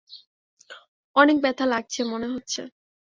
অনেক ব্যাথা লাগছে মনে হচ্ছে।